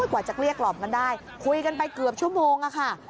กว่าจะเกลี้ยกล่อมกันได้คุยกันไปเกือบชั่วโมงอะค่ะ